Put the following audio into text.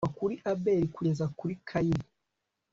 Kuva kuri Abeli kugeza kuri Kayini